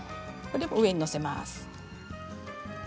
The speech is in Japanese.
上に載せます。